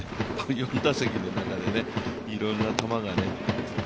４打席の中でいろんな球がね。